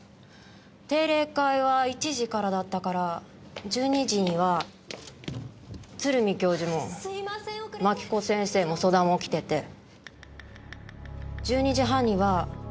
定例会は１時からだったから１２時には鶴見教授も槙子先生も曽田も来てて１２時半には。